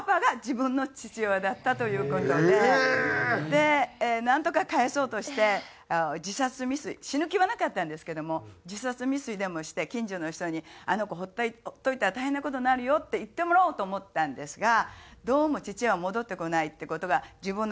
でなんとか帰そうとして自殺未遂死ぬ気はなかったんですけども自殺未遂でもして近所の人に「あの子ほっといたら大変な事になるよ」って言ってもらおうと思ったんですがどうも父は戻ってこないって事が自分の腹で納まって。